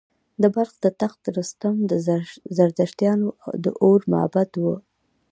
د بلخ د تخت رستم د زردشتیانو د اور معبد و